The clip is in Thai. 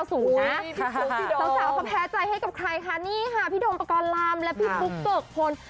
สาวเขาแพ้ใจให้กับใครคะนี่ค่ะพี่โดมประกอบลำและพี่ปุ๊กเกิกพล